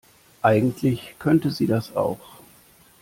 Eigentlich könnte sie das auch.